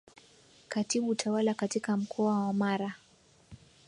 Katibu tawala katika Mkoa wa Mara